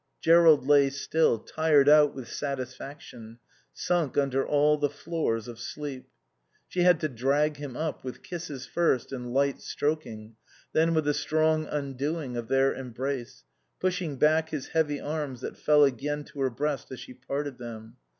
Jerrold lay still, tired out with satisfaction, sunk under all the floors of sleep. She had to drag him up, with kisses first and light stroking, then with a strong undoing of their embrace, pushing back his heavy arms that fell again to her breast as she parted them.